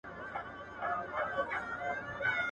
مځکه له سړک ښه ده،